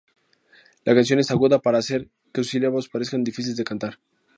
La canción es aguda para hacer que sus sílabas parezcan difíciles de cantar.